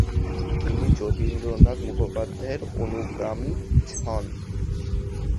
তিনি যতীন্দ্রনাথ মুখোপাধ্যায়ের অনুগ্রামী হন।